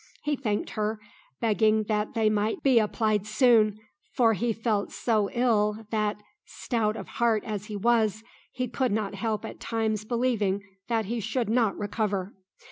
He thanked her, begging that they might be applied soon, for he felt so ill that, stout of heart as he was, he could not help at times believing that he should not recover.